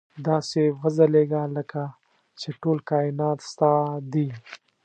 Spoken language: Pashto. داسې وځلېږه لکه چې ټول کاینات ستا دي.